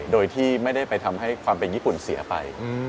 โดยที่ไม่ได้ไปทำให้ความเป็นญี่ปุ่นเสียไป